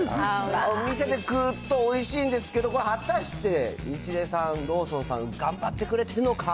お店で食うとおいしいんですけど、これ、果たしてニチレイさん、ローソンさん、頑張ってくれてるのか？